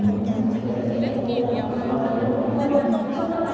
ก็เติมแค่พร้อมแหลง